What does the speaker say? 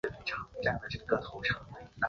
现任校长是彭绮莲。